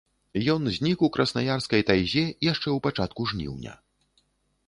Ён знік у краснаярскай тайзе яшчэ ў пачатку жніўня.